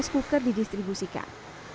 sebelum rice cooker didistribusikan